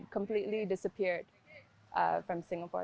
tapi itu sudah hilang dari singapura